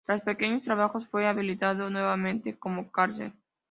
Tras pequeños trabajos, fue habilitado nuevamente como cárcel.